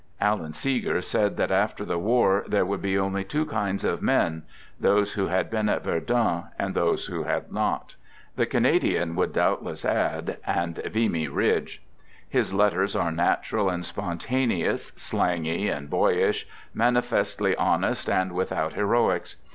Alan Seeger said that after the war there would be only two kinds of men: those who had been at Verdun and those who had not. The Canadian would doubtless add — and Vimy Ridge. His let ters are natural and spontaneous, slangy and boyish, manifestly honest and without " heroics."